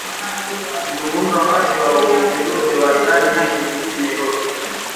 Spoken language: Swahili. Akizungumza wakati wa uzinduzi wa ilani yake jijini Nairobi